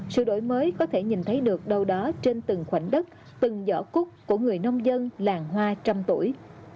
sự đổi mới có thể nhìn thấy được đâu đó trên từng khoảnh đất từng giỏ cúc của người nông dân làng hoa trăm tuổi